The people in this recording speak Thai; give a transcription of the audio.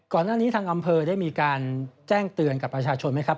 ก่อนหน้านี้ทางอำเภอได้มีการแจ้งเตือนกับประชาชนไหมครับ